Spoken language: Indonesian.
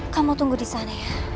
kamu tunggu disana ya